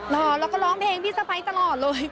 รอแล้วก็ร้องเพลงพี่สะพ้ายตลอดเลย